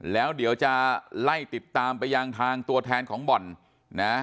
แล้วเดี๋ยวจะไล่ติดตามไปยังทางตัวแทนของบ่อนนะ